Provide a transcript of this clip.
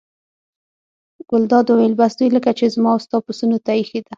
ګلداد وویل: بس دوی لکه چې زما او ستا پسونو ته اېښې ده.